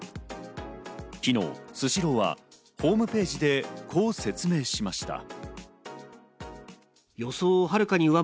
昨日、スシローはホームページでこう説明しました。